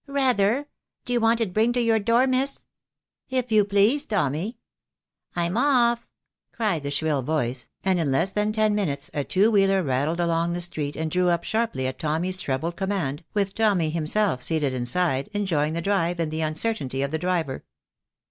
"Rather! Do you want it bringed to your door, Miss?" "If you please, Tommy." "I'm off," cried the shrill voice, and in less than ten minutes a two wheeler rattled along the street, and drew up sharply at Tommy's treble command, with Tommy himself seated inside, enjoying the drive and the un certainty of the driver.